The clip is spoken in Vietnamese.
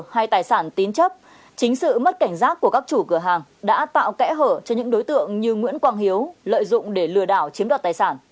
hay tài sản tín chấp chính sự mất cảnh giác của các chủ cửa hàng đã tạo kẽ hở cho những đối tượng như nguyễn quang hiếu lợi dụng để lừa đảo chiếm đoạt tài sản